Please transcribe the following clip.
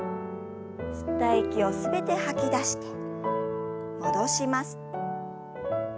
吸った息を全て吐き出して戻します。